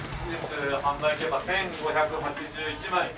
１，５８１枚。